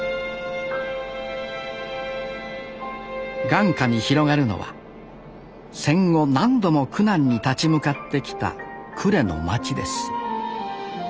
眼下に広がるのは戦後何度も苦難に立ち向かってきた呉の街です